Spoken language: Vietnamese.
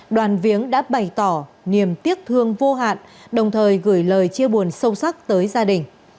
đoàn viếng đã bày tỏ niềm tiếc thương vô hạn đồng thời gửi lời chia buồn sâu sắc tới gia đình